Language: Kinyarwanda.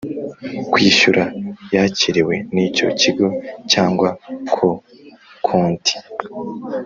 Kwishyura yakiriwe n icyo kigo cyangwa ko konti